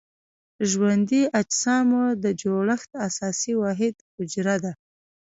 ژوندي اجسامو د جوړښت اساسي واحد حجره ده.